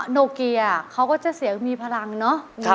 โนเกียเขาก็จะเสียงมีพลังเนอะ